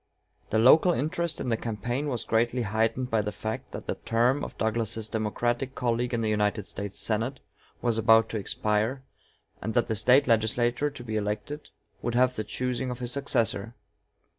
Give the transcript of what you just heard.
The local interest in the campaign was greatly heightened by the fact that the term of Douglas's Democratic colleague in the United States Senate was about to expire, and that the State legislature to be elected would have the choosing of his successor.